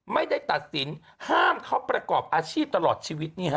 ไม่ได้ตัดสินห้ามเขาประกอบอาชีพตลอดชีวิต